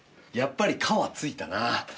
やっぱり「か」はついたな。